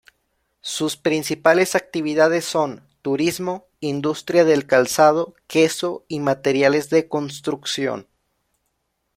Sus principales actividades son: turismo, industria del calzado, queso y materiales de construcción.